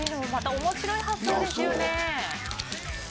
面白い発想ですよね。